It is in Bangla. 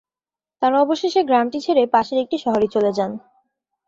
তারা অবশেষে গ্রামটি ছেড়ে পাশের একটি শহরে চলে যান।